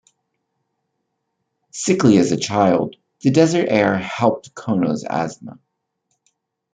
Sickly as a child, the desert air helped Kono's asthma.